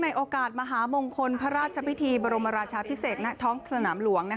โอกาสมหามงคลพระราชพิธีบรมราชาพิเศษณท้องสนามหลวง